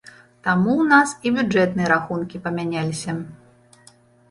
Таму ў нас і бюджэтныя рахункі памяняліся.